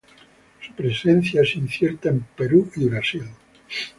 Su presencia es incierta en Perú y Brasil.